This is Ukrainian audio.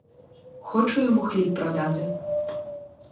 Хочу йому хліб продати.